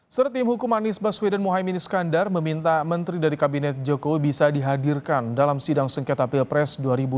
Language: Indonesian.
sertim hukum anies baswedan mohaimin iskandar meminta menteri dari kabinet jokowi bisa dihadirkan dalam sidang sengketa pilpres dua ribu dua puluh